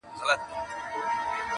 په غیرت او شجاعت مو نوم نښان وو-